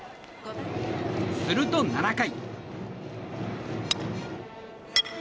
すると、７回。